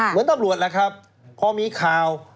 เหมือนตำรวจล่ะครับพอมีข่าว